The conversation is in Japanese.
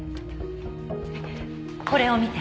これを見て。